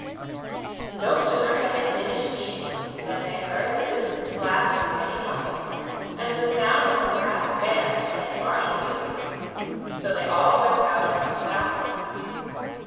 No sooner had they finished eating than they heard the distant blast of many trumpets, and the sound of a brass band playing martial music; so they all went out upon the balcony.